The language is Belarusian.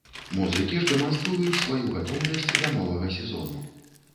Музыкі ж дэманструюць сваю гатоўнасць да новага сезону.